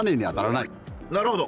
なるほど！